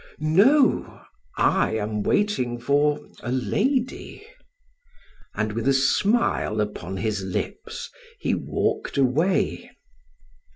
"No, I am waiting for a lady." And with a smile upon his lips, he walked away.